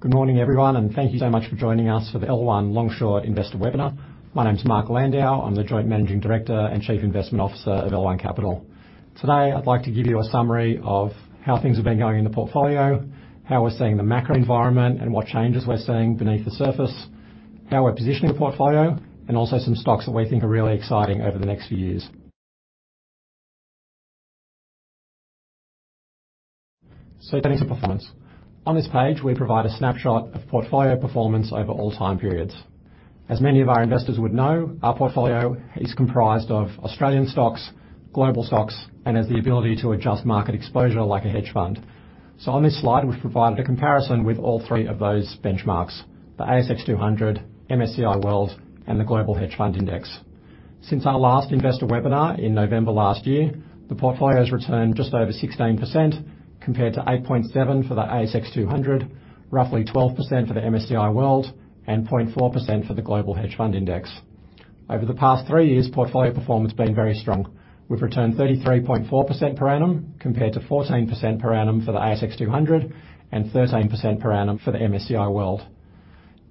Good morning, everyone, and thank you so much for joining us for the L1 Long Short Investor Webinar. My name's Mark Landau. I'm the Joint Managing Director and Chief Investment Officer of L1 Capital. Today, I'd like to give you a summary of how things have been going in the portfolio, how we're seeing the macro environment and what changes we're seeing beneath the surface, how we're positioning the portfolio, and also some stocks that we think are really exciting over the next few years. Getting to performance. On this page, we provide a snapshot of portfolio performance over all time periods. As many of our investors would know, our portfolio is comprised of Australian stocks, global stocks, and has the ability to adjust market exposure like a hedge fund. On this slide, we've provided a comparison with all three of those benchmarks, the S&P/ASX 200, MSCI World, and the HFRX Global Hedge Fund Index. Since our last investor webinar in November last year, the portfolio's returned just over 16% compared to 8.7% for the S&P/ASX 200, roughly 12% for the MSCI World, and 0.4% for the HFRX Global Hedge Fund Index. Over the past three years, portfolio performance has been very strong. We've returned 33.4% per annum, compared to 14% per annum for the S&P/ASX 200 and 13% per annum for the MSCI World.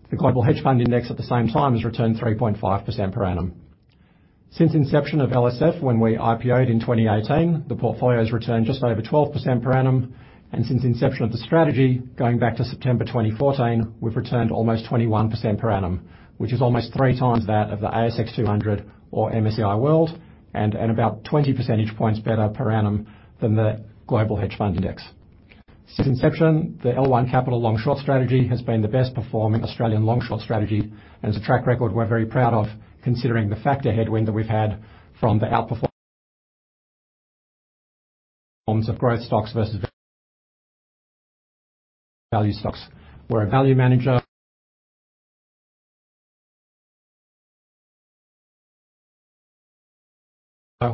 The HFRX Global Hedge Fund Index at the same time has returned 3.5% per annum. Since inception of LSF when we IPO'd in 2018, the portfolio's returned just over 12% per annum. Since inception of the strategy, going back to September 2014, we've returned almost 21% per annum, which is almost 3 times that of the ASX 200 or MSCI World and about 20 percentage points better per annum than the Global Hedge Fund Index. Since inception, the L1 Capital Long Short Strategy has been the best performing Australian Long Short Strategy. It's a track record we're very proud of considering the factor headwind that we've had from the outperformance of growth stocks versus value stocks. We're a value manager.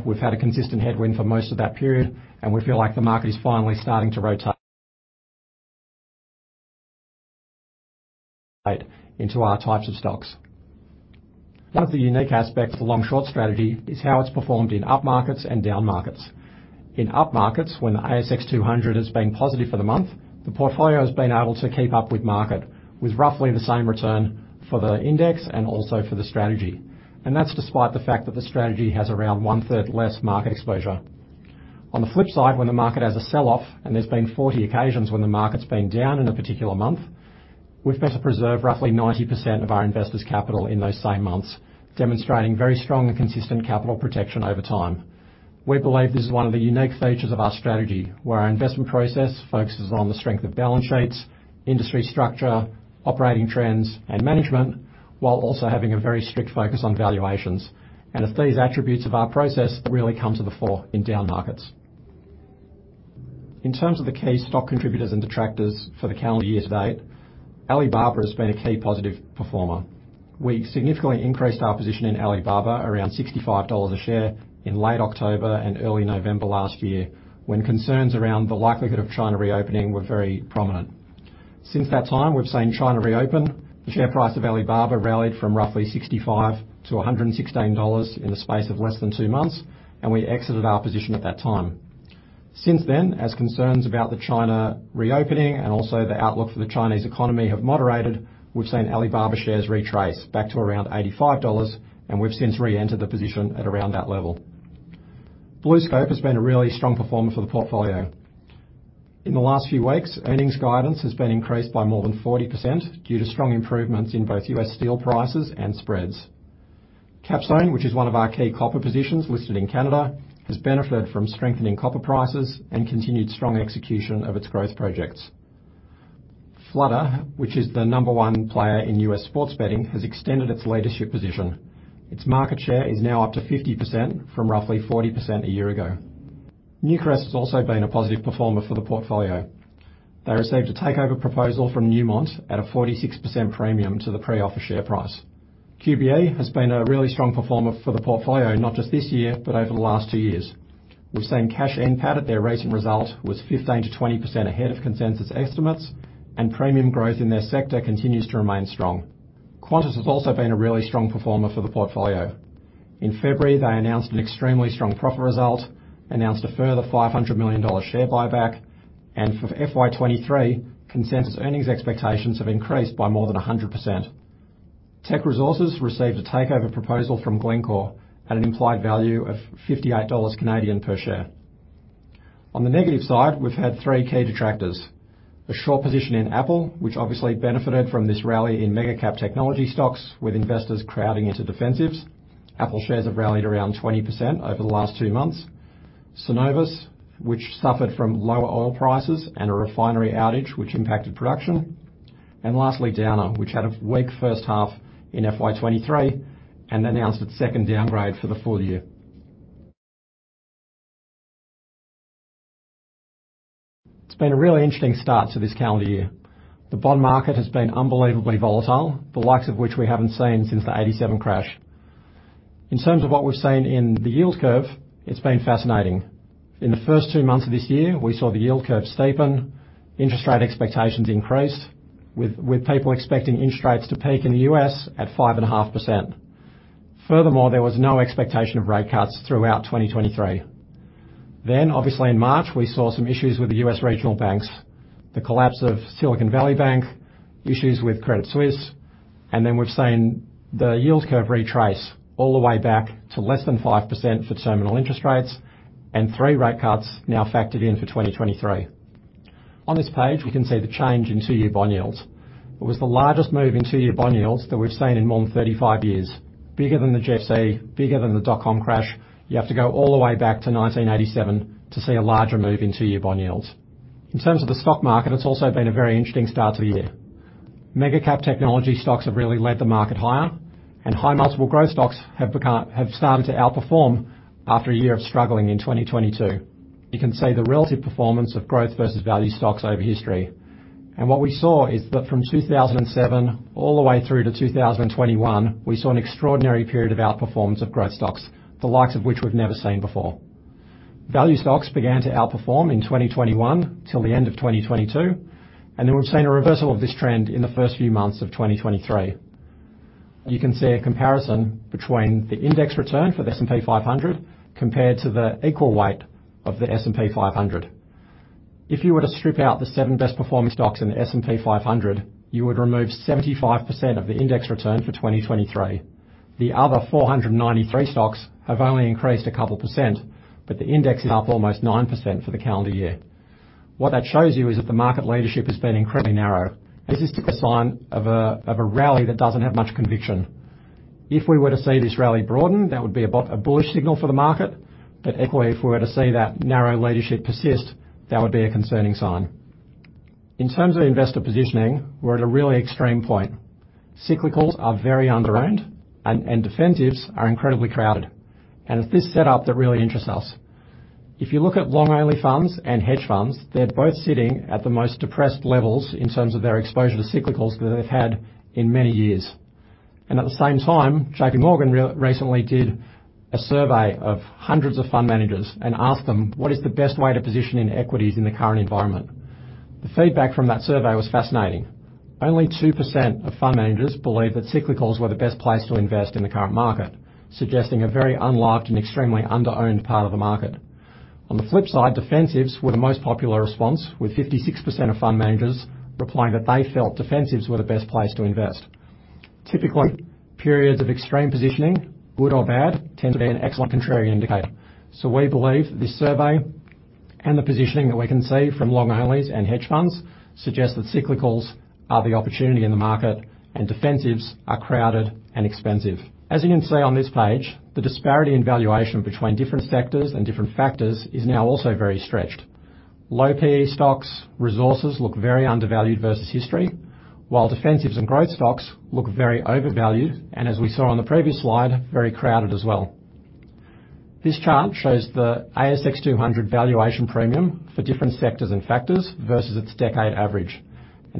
We've had a consistent headwind for most of that period. We feel like the market is finally starting to rotate into our types of stocks. One of the unique aspects of the Long Short Strategy is how it's performed in up markets and down markets. In up markets, when the S&P/ASX 200 has been positive for the month, the portfolio has been able to keep up with market, with roughly the same return for the index and also for the strategy. That's despite the fact that the strategy has around one-third less market exposure. On the flip side, when the market has a sell-off, and there's been 40 occasions when the market's been down in a particular month, we've better preserved roughly 90% of our investors' capital in those same months, demonstrating very strong and consistent capital protection over time. We believe this is one of the unique features of our strategy, where our investment process focuses on the strength of balance sheets, industry structure, operating trends, and management, while also having a very strict focus on valuations. It's these attributes of our process that really come to the fore in down markets. In terms of the key stock contributors and detractors for the calendar year to date, Alibaba has been a key positive performer. We significantly increased our position in Alibaba around $65 a share in late October and early November last year, when concerns around the likelihood of China reopening were very prominent. Since that time, we've seen China reopen. The share price of Alibaba rallied from roughly $65 to $116 in the space of less than two months, and we exited our position at that time. Since then, as concerns about the China reopening and also the outlook for the Chinese economy have moderated, we've seen Alibaba shares retrace back to around $85, and we've since reentered the position at around that level. BlueScope has been a really strong performer for the portfolio. In the last few weeks, earnings guidance has been increased by more than 40% due to strong improvements in both U.S. steel prices and spreads. Capstone, which is one of our key copper positions listed in Canada, has benefited from strengthening copper prices and continued strong execution of its growth projects. Flutter, which is the number one player in U.S. sports betting, has extended its leadership position. Its market share is now up to 50% from roughly 40% a year ago. Newcrest has also been a positive performer for the portfolio. They received a takeover proposal from Newmont at a 46% premium to the pre-offer share price. QBE has been a really strong performer for the portfolio, not just this year, but over the last two years. We've seen cash NPAT at their recent result was 15%-20% ahead of consensus estimates. Premium growth in their sector continues to remain strong. Qantas has also been a really strong performer for the portfolio. In February, they announced an extremely strong profit result, announced a further 500 million dollar share buyback. For FY 2023, consensus earnings expectations have increased by more than 100%. Teck Resources received a takeover proposal from Glencore at an implied value of 58 Canadian dollars per share. On the negative side, we've had three key detractors: A short position in Apple, which obviously benefited from this rally in mega cap technology stocks with investors crowding into defensives. Apple shares have rallied around 20% over the last two months. Cenovus, which suffered from lower oil prices and a refinery outage which impacted production. Lastly, Downer, which had a weak first half in FY 2023 and announced its second downgrade for the full year. It's been a really interesting start to this calendar year. The bond market has been unbelievably volatile, the likes of which we haven't seen since the 87 crash. In terms of what we've seen in the yield curve, it's been fascinating. In the first two months of this year, we saw the yield curve steepen, interest rate expectations increased, with people expecting interest rates to peak in the U.S. at 5.5%. Furthermore, there was no expectation of rate cuts throughout 2023. Obviously in March, we saw some issues with the U.S. regional banks, the collapse of Silicon Valley Bank, issues with Credit Suisse, and then we've seen the yield curve retrace all the way back to less than 5% for terminal interest rates and three rate cuts now factored in for 2023. On this page, we can see the change in two-year bond yields. It was the largest move in two-year bond yields that we've seen in more than 35 years. Bigger than the GFC, bigger than the dot-com crash. You have to go all the way back to 1987 to see a larger move in two-year bond yields. In terms of the stock market, it's also been a very interesting start to the year. Mega cap technology stocks have really led the market higher, and high multiple growth stocks have started to outperform after a year of struggling in 2022. You can see the relative performance of growth versus value stocks over history. What we saw is that from 2007 all the way through to 2021, we saw an extraordinary period of outperformance of growth stocks, the likes of which we've never seen before. Value stocks began to outperform in 2021 till the end of 2022, and then we've seen a reversal of this trend in the first few months of 2023. You can see a comparison between the index return for the S&P 500 compared to the equal weight of the S&P 500. If you were to strip out the seven best performing stocks in the S&P 500, you would remove 75% of the index return for 2023. The other 493 stocks have only increased a couple percent, but the index is up almost 9% for the calendar year. What that shows you is that the market leadership has been incredibly narrow. This is the sign of a rally that doesn't have much conviction. If we were to see this rally broaden, that would be a bullish signal for the market. Equally, if we were to see that narrow leadership persist, that would be a concerning sign. In terms of investor positioning, we're at a really extreme point. Cyclicals are very underowned and defensives are incredibly crowded. It's this setup that really interests us. If you look at long-only funds and hedge funds, they're both sitting at the most depressed levels in terms of their exposure to cyclicals that they've had in many years. At the same time, JPMorgan recently did a survey of hundreds of fund managers and asked them what is the best way to position in equities in the current environment? The feedback from that survey was fascinating. Only 2% of fund managers believe that cyclicals were the best place to invest in the current market, suggesting a very unloved and extremely underowned part of the market. On the flip side, defensives were the most popular response, with 56% of fund managers replying that they felt defensives were the best place to invest. Typically, periods of extreme positioning, good or bad, tend to be an excellent contrarian indicator. We believe that this survey and the positioning that we can see from long onlys and hedge funds suggest that cyclicals are the opportunity in the market and defensives are crowded and expensive. As you can see on this page, the disparity in valuation between different sectors and different factors is now also very stretched. Low PE stocks resources look very undervalued versus history, while defensives and growth stocks look very overvalued, and as we saw on the previous slide, very crowded as well. This chart shows the S&P/ASX 200 valuation premium for different sectors and factors versus its decade average.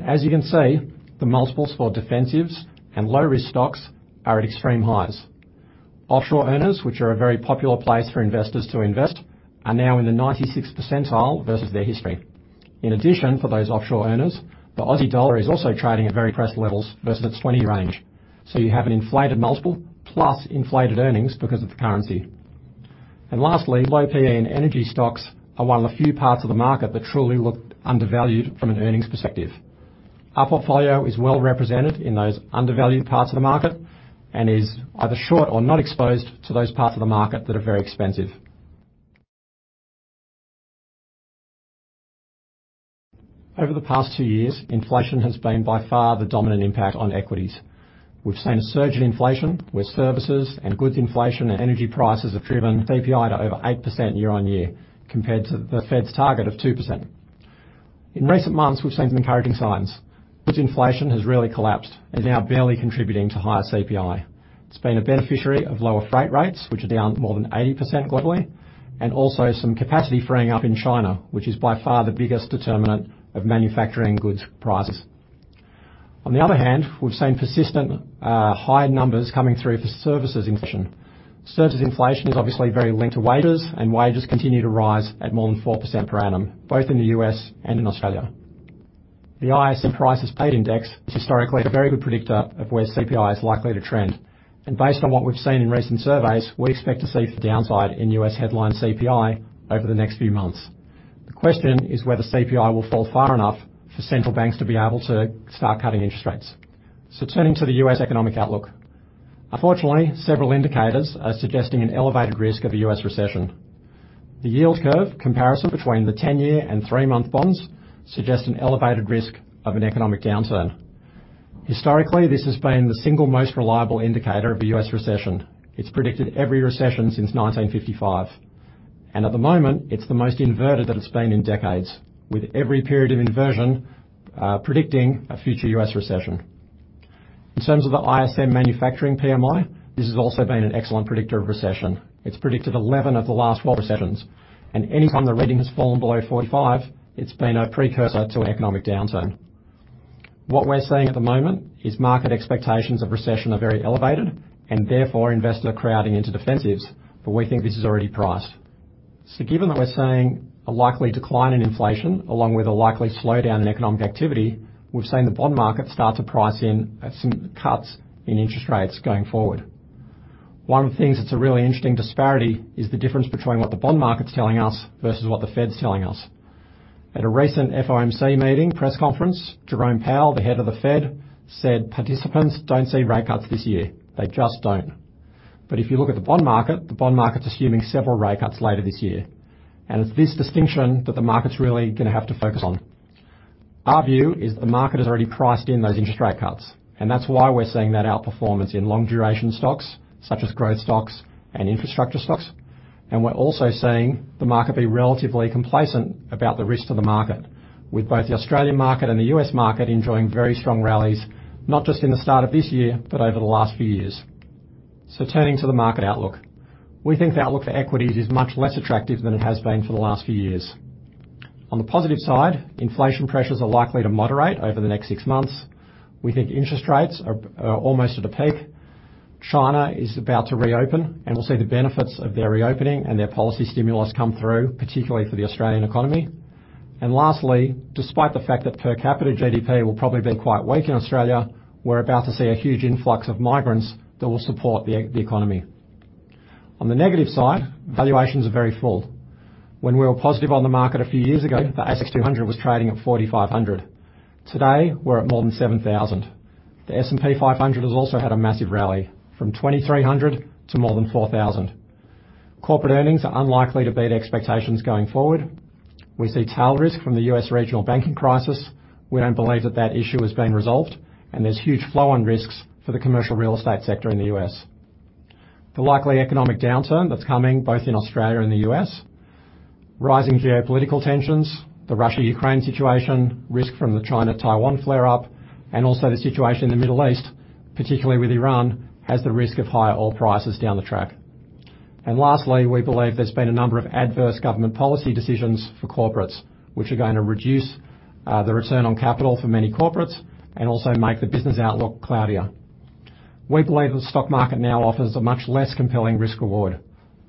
As you can see, the multiples for defensives and low-risk stocks are at extreme highs. Offshore earners, which are a very popular place for investors to invest, are now in the 96th percentile versus their history. For those offshore earners, the AUD is also trading at very pressed levels versus its 20 range. You have an inflated multiple plus inflated earnings because of the currency. Lastly, low PE and energy stocks are one of the few parts of the market that truly look undervalued from an earnings perspective. Our portfolio is well represented in those undervalued parts of the market and is either short or not exposed to those parts of the market that are very expensive. Over the past two years, inflation has been by far the dominant impact on equities. We've seen a surge in inflation, with services and goods inflation and energy prices have driven CPI to over 8% year-over-year compared to the Fed's target of 2%. In recent months, we've seen some encouraging signs, which inflation has really collapsed and now barely contributing to higher CPI. It's been a beneficiary of lower freight rates, which are down more than 80% globally, and also some capacity freeing up in China, which is by far the biggest determinant of manufacturing goods prices. We've seen persistent, higher numbers coming through for services inflation. Services inflation is obviously very linked to wages, and wages continue to rise at more than 4% per annum, both in the U.S. and in Australia. The ISM Prices Paid Index is historically a very good predictor of where CPI is likely to trend. Based on what we've seen in recent surveys, we expect to see further downside in U.S. headline CPI over the next few months. The question is whether CPI will fall far enough for central banks to be able to start cutting interest rates. Turning to the U.S. economic outlook. Unfortunately, several indicators are suggesting an elevated risk of a U.S. recession. The yield curve comparison between the 10-year and three-month bonds suggests an elevated risk of an economic downturn. Historically, this has been the single most reliable indicator of a U.S. recession. It's predicted every recession since 1955. At the moment, it's the most inverted that it's been in decades, with every period of inversion predicting a future U.S. recession. In terms of the ISM Manufacturing PMI, this has also been an excellent predictor of recession. It's predicted 11 of the last 12 recessions, and any time the reading has fallen below 45, it's been a precursor to an economic downturn. What we're seeing at the moment is market expectations of recession are very elevated and therefore investors are crowding into defensives, but we think this is already priced. Given that we're seeing a likely decline in inflation along with a likely slowdown in economic activity, we've seen the bond market start to price in some cuts in interest rates going forward. One of the things that's a really interesting disparity is the difference between what the bond market's telling us versus what the Fed's telling us. At a recent FOMC meeting press conference, Jerome Powell, the head of the Fed, said participants don't see rate cuts this year. They just don't. If you look at the bond market, the bond market's assuming several rate cuts later this year. It's this distinction that the market's really gonna have to focus on. Our view is the market has already priced in those interest rate cuts, and that's why we're seeing that outperformance in long-duration stocks, such as growth stocks and infrastructure stocks. We're also seeing the market be relatively complacent about the risk to the market, with both the Australian market and the U.S. market enjoying very strong rallies, not just in the start of this year, but over the last few years. Turning to the market outlook. We think the outlook for equities is much less attractive than it has been for the last few years. On the positive side, inflation pressures are likely to moderate over the next 6 months. We think interest rates are almost at a peak. China is about to reopen, and we'll see the benefits of their reopening and their policy stimulus come through, particularly for the Australian economy. Lastly, despite the fact that per capita GDP will probably be quite weak in Australia, we're about to see a huge influx of migrants that will support the economy. On the negative side, valuations are very full. When we were positive on the market a few years ago, the ASX 200 was trading at 4,500. Today, we're at more than 7,000. The S&P 500 has also had a massive rally from 2,300 to more than 4,000. Corporate earnings are unlikely to beat expectations going forward. We see tail risk from the U.S. regional banking crisis. We don't believe that issue has been resolved, and there's huge flow-on risks for the commercial real estate sector in the U.S. The likely economic downturn that's coming, both in Australia and the US, rising geopolitical tensions, the Russia-Ukraine situation, risk from the China-Taiwan flare-up, and also the situation in the Middle East, particularly with Iran, has the risk of higher oil prices down the track. Lastly, we believe there's been a number of adverse government policy decisions for corporates, which are gonna reduce the return on capital for many corporates and also make the business outlook cloudier. We believe the stock market now offers a much less compelling risk reward.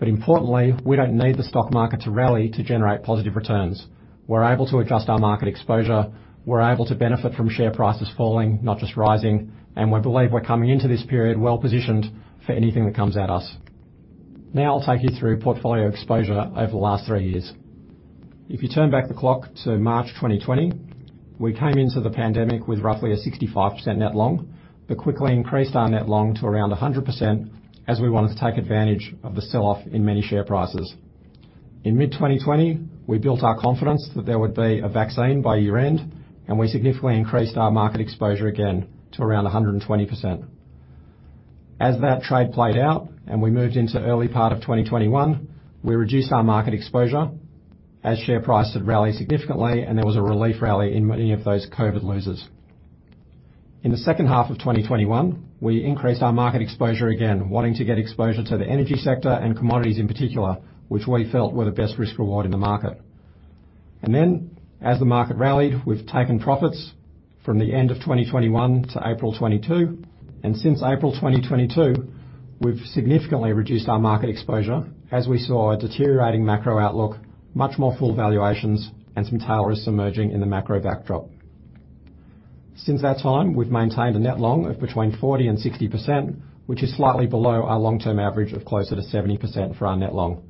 Importantly, we don't need the stock market to rally to generate positive returns. We're able to adjust our market exposure. We're able to benefit from share prices falling, not just rising. We believe we're coming into this period well-positioned for anything that comes at us. Now I'll take you through portfolio exposure over the last three years. If you turn back the clock to March 2020, we came into the pandemic with roughly a 65% net long, but quickly increased our net long to around 100% as we wanted to take advantage of the sell-off in many share prices. In mid-2020, we built our confidence that there would be a vaccine by year-end, and we significantly increased our market exposure again to around 120%. As that trade played out and we moved into early part of 2021, we reduced our market exposure as share price had rallied significantly and there was a relief rally in many of those COVID losers. In the second half of 2021, we increased our market exposure again, wanting to get exposure to the energy sector and commodities in particular, which we felt were the best risk reward in the market. Then as the market rallied, we've taken profits from the end of 2021 to April 2022. Since April 2022, we've significantly reduced our market exposure as we saw a deteriorating macro outlook, much more full valuations, and some tail risks emerging in the macro backdrop. Since that time, we've maintained a net long of between 40%-60%, which is slightly below our long-term average of closer to 70% for our net long.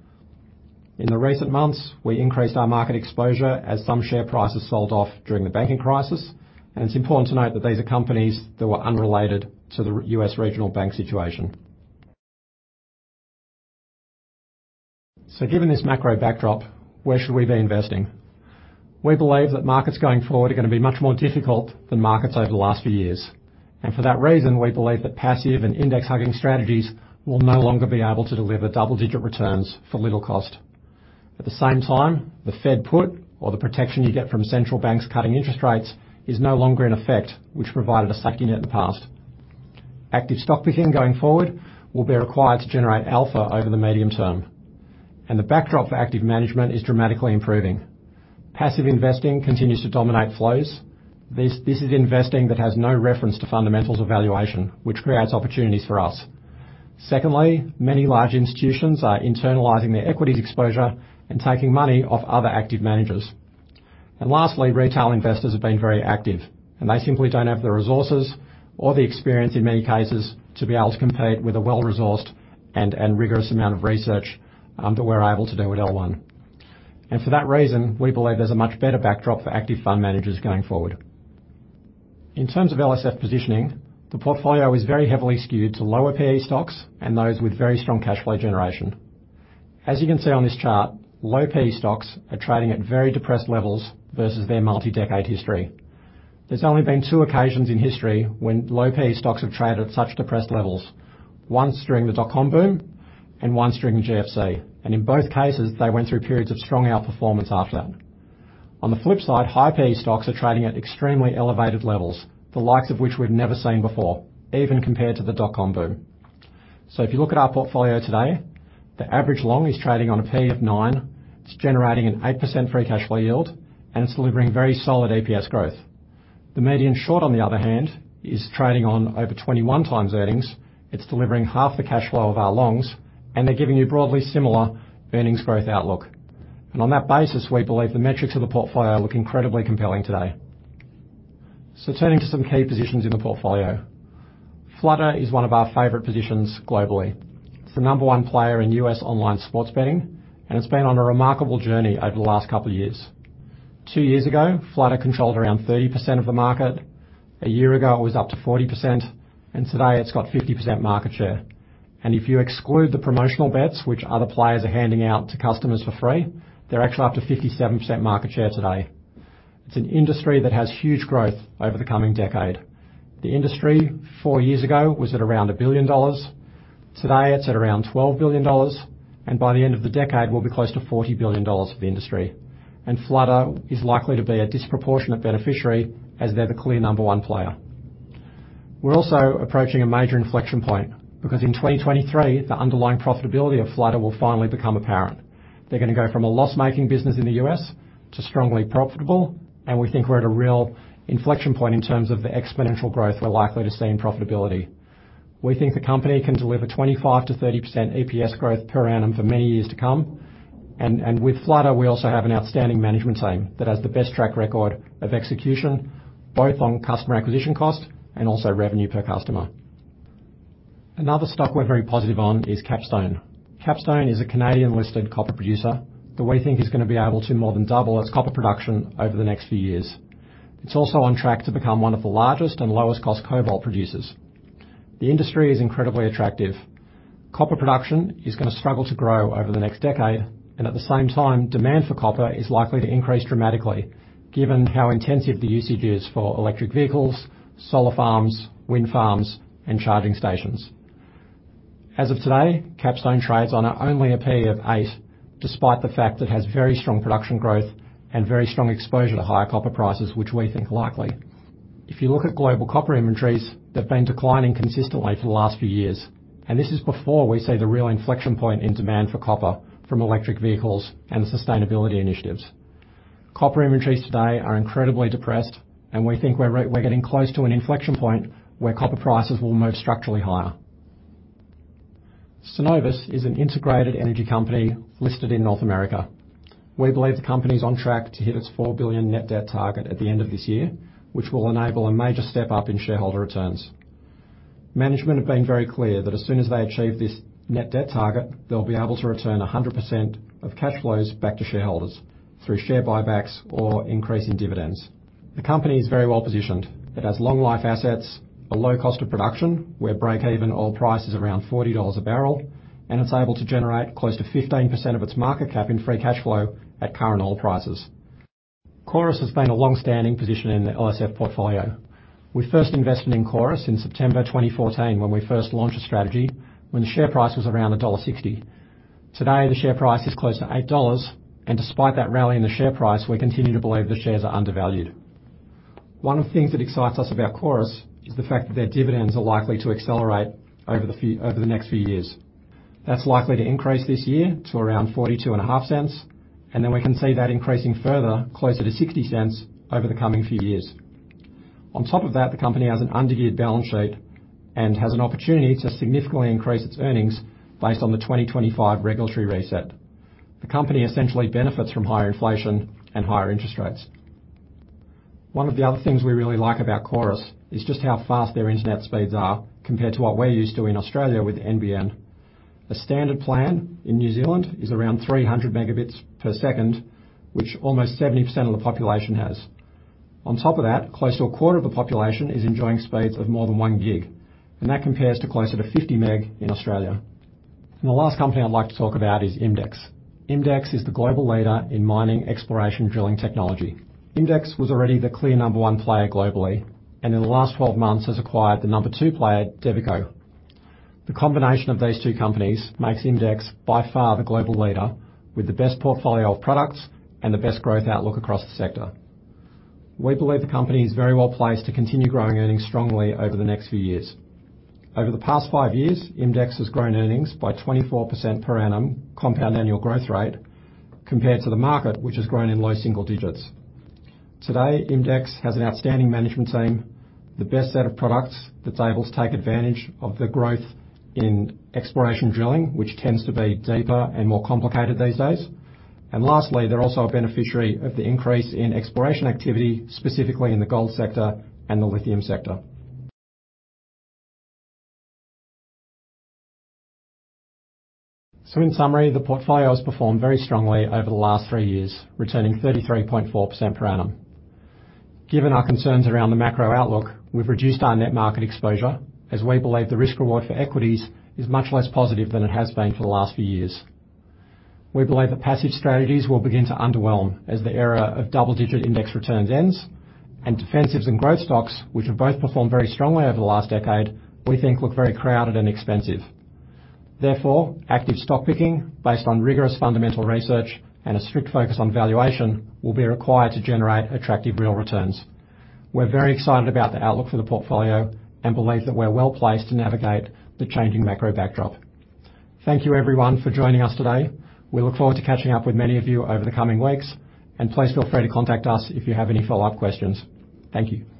In the recent months, we increased our market exposure as some share prices sold off during the banking crisis. It's important to note that these are companies that were unrelated to the U.S. regional bank situation. Given this macro backdrop, where should we be investing? We believe that markets going forward are gonna be much more difficult than markets over the last few years. For that reason, we believe that passive and index hugging strategies will no longer be able to deliver double-digit returns for little cost. At the same time, the Fed put or the protection you get from central banks cutting interest rates is no longer in effect, which provided a safety net in the past. Active stock picking going forward will be required to generate alpha over the medium term. The backdrop for active management is dramatically improving. Passive investing continues to dominate flows. This is investing that has no reference to fundamentals evaluation, which creates opportunities for us. Secondly, many large institutions are internalizing their equities exposure and taking money off other active managers. Lastly, retail investors have been very active, and they simply don't have the resources or the experience in many cases to be able to compete with a well-resourced and rigorous amount of research that we're able to do at L1. For that reason, we believe there's a much better backdrop for active fund managers going forward. In terms of LSF positioning, the portfolio is very heavily skewed to lower PE stocks and those with very strong cash flow generation. As you can see on this chart, low PE stocks are trading at very depressed levels versus their multi-decade history. There's only been two occasions in history when low PE stocks have traded at such depressed levels, once during the dot-com boom and once during the GFC. In both cases, they went through periods of strong outperformance after that. On the flip side, high PE stocks are trading at extremely elevated levels, the likes of which we'd never seen before, even compared to the dot-com boom. If you look at our portfolio today, the average long is trading on a PE of 9. It's generating an 8% free cash flow yield, and it's delivering very solid EPS growth. The median short, on the other hand, is trading on over 21x earnings. It's delivering half the cash flow of our longs, and they're giving you broadly similar earnings growth outlook. On that basis, we believe the metrics of the portfolio look incredibly compelling today. Turning to some key positions in the portfolio. Flutter is one of our favorite positions globally. It's the number one player in U.S. online sports betting, and it's been on a remarkable journey over the last couple of years. Two years ago, Flutter controlled around 30% of the market. A year ago, it was up to 40%, and today it's got 50% market share. If you exclude the promotional bets which other players are handing out to customers for free, they're actually up to 57% market share today. It's an industry that has huge growth over the coming decade. The industry four years ago was at around 1 billion dollars. Today it's at around 12 billion dollars, and by the end of the decade, will be close to 40 billion dollars for the industry. Flutter is likely to be a disproportionate beneficiary as they're the clear number one player. We're also approaching a major inflection point because in 2023, the underlying profitability of Flutter will finally become apparent. They're gonna go from a loss-making business in the U.S. to strongly profitable, and we think we're at a real inflection point in terms of the exponential growth we're likely to see in profitability. We think the company can deliver 25%-30% EPS growth per annum for many years to come. With Flutter, we also have an outstanding management team that has the best track record of execution, both on customer acquisition cost and also revenue per customer. Another stock we're very positive on is Capstone. Capstone is a Canadian-listed copper producer that we think is gonna be able to more than double its copper production over the next few years. It's also on track to become one of the largest and lowest cost cobalt producers. The industry is incredibly attractive. Copper production is gonna struggle to grow over the next decade, and at the same time, demand for copper is likely to increase dramatically given how intensive the usage is for electric vehicles, solar farms, wind farms, and charging stations. As of today, Capstone trades on only a PE of 8, despite the fact it has very strong production growth and very strong exposure to higher copper prices, which we think likely. If you look at global copper inventories, they've been declining consistently for the last few years, and this is before we see the real inflection point in demand for copper from electric vehicles and sustainability initiatives. Copper inventories today are incredibly depressed, and we think we're getting close to an inflection point where copper prices will move structurally higher. Cenovus is an integrated energy company listed in North America. We believe the company's on track to hit its 4 billion net debt target at the end of this year, which will enable a major step-up in shareholder returns. Management have been very clear that as soon as they achieve this net debt target, they'll be able to return 100% of cash flows back to shareholders through share buybacks or increase in dividends. The company is very well-positioned. It has long life assets, a low cost of production, where breakeven oil price is around 40 dollars a barrel, and it's able to generate close to 15% of its market cap in free cash flow at current oil prices. Chorus has been a long-standing position in the LSF portfolio. We first invested in Chorus in September 2014 when we first launched a strategy when the share price was around dollar 1.60. Today, the share price is close to 8 dollars, and despite that rally in the share price, we continue to believe the shares are undervalued. One of the things that excites us about Chorus is the fact that their dividends are likely to accelerate over the next few years. That's likely to increase this year to around 0.425, and then we can see that increasing further closer to 0.60 over the coming few years. On top of that, the company has an under-geared balance sheet and has an opportunity to significantly increase its earnings based on the 2025 regulatory reset. The company essentially benefits from higher inflation and higher interest rates. One of the other things we really like about Chorus is just how fast their internet speeds are compared to what we're used to in Australia with NBN. A standard plan in New Zealand is around 300 Mbps, which almost 70% of the population has. On top of that, close to a quarter of the population is enjoying speeds of more than 1 gig, and that compares to closer to 50 Meg in Australia. The last company I'd like to talk about is Imdex. Imdex is the global leader in mining exploration drilling technology. Imdex was already the clear number one player globally, and in the last 12 months has acquired the number two player, Devico. The combination of these two companies makes Imdex by far the global leader with the best portfolio of products and the best growth outlook across the sector. We believe the company is very well placed to continue growing earnings strongly over the next few years. Over the past 5 years, Imdex has grown earnings by 24% per annum compound annual growth rate compared to the market, which has grown in low single digits. Today, Imdex has an outstanding management team, the best set of products that's able to take advantage of the growth in exploration drilling, which tends to be deeper and more complicated these days. Lastly, they're also a beneficiary of the increase in exploration activity, specifically in the gold sector and the lithium sector. In summary, the portfolio has performed very strongly over the last three years, returning 33.4% per annum. Given our concerns around the macro outlook, we've reduced our net market exposure as we believe the risk reward for equities is much less positive than it has been for the last few years. We believe the passive strategies will begin to underwhelm as the era of double-digit index returns ends. Defensives and growth stocks, which have both performed very strongly over the last decade, we think look very crowded and expensive. Therefore, active stock picking based on rigorous fundamental research and a strict focus on valuation will be required to generate attractive real returns. We're very excited about the outlook for the portfolio and believe that we're well-placed to navigate the changing macro backdrop. Thank you, everyone, for joining us today. We look forward to catching up with many of you over the coming weeks, and please feel free to contact us if you have any follow-up questions. Thank you.